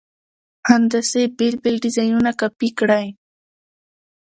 هندسي بېل بېل ډیزاینونه کاپي کړئ.